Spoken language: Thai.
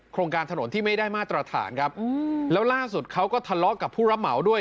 การถนนที่ไม่ได้มาตรฐานครับแล้วล่าสุดเขาก็ทะเลาะกับผู้รับเหมาด้วย